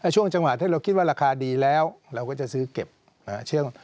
ช่วงจังหวะที่เราคิดว่าราคาดีแล้วเราก็จะซื้อเก็บ